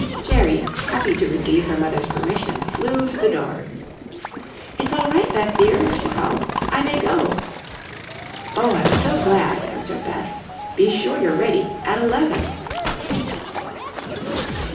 Jerry, happy to receive her mother's permission, flew to the door. "It's all right, Beth dear," she called. "I may go." "Oh, I'm so glad," answered Beth; "be sure you're ready at eleven."